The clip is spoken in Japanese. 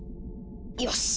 よし。